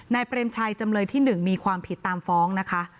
เปรมชัยจำเลยที่๑มีความผิดตามฟ้องนะคะ